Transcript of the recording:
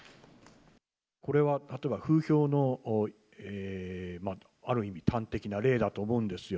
これは例えば、風評のある意味、端的な例だと思うんですよ。